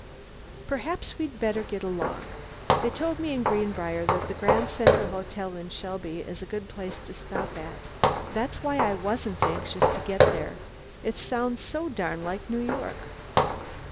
Perhaps we'd better get along. They told me in Greenbriar that the Grand Central Hotel in Shelby is a good place to stop at. That's why I wasn't anxious to get there. It sounds so darned like New York."